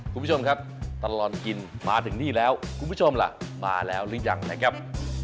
คุณผู้ชมครับตลอดกินมาถึงนี่แล้วคุณผู้ชมล่ะมาแล้วหรือยังนะครับ